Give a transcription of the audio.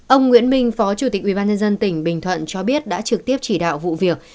ông nguyễn minh phó chủ tịch ubnd tỉnh bình thuận cho biết đã trực tiếp chỉ đạo vụ việc